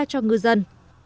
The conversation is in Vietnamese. cho ngư dân